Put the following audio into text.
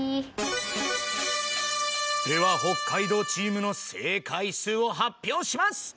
では北海道チームの正解数を発表します。